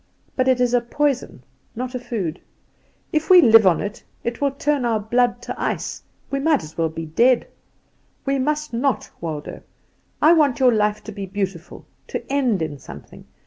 But it is a poison, not a food. If we live on it it will turn our blood to ice; we might as well be dead. We must not, Waldo; I want your life to be beautiful, to end in something.